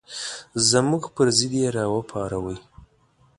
زموږ پر ضد یې راوپاروئ.